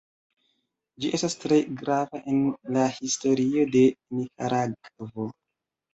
Ĝi estas tre grava en la historio de Nikaragvo.